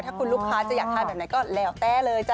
ถ้าคุณลูกค้าจะอยากทานแบบไหนก็แล้วแต่เลยจ้